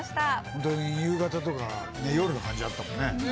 ホントに夕方とかね夜の感じだったもんね。